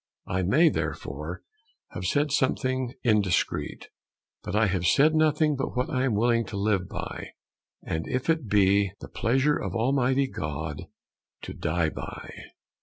I may, therefore, have said something indiscreet. But I have said nothing but what I am willing to live by, and, if it be the pleasure of Almighty God, to die by.